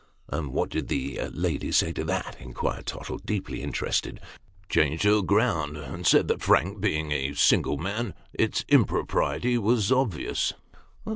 "And what did the lady say to that?" inquired Tottle, deeply interested. " Changed her ground, and said that Frank being a single man, its impropriety was obvious."